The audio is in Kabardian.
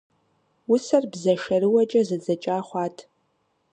Усэр бзэ шэрыуэкӀэ зэдзэкӀа хъуат.